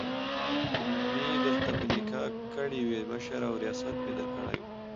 مي درته په نکاح کړي وي، مشري او رياست مي درکړی وو